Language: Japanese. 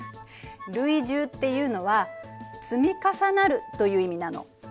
累重っていうのは「積み重なる」という意味なの。